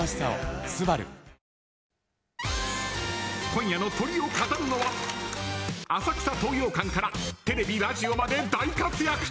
今夜のトリを飾るのは浅草、東洋館からテレビ、ラジオまで大活躍。